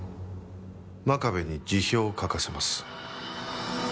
真壁に辞表を書かせます。